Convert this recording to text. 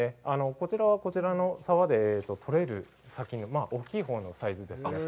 こちらは、こちらの沢で採れる大きいほうのサイズですね。